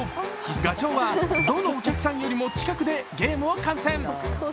がちょうは、どのお客さんよりも近くでゲームを観戦。